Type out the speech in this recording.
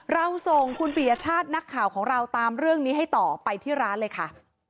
เราส่งคุณปียชาตินักข่าวของเราตามเรื่องนี้ให้ต่อไปที่ร้านเลยค่ะ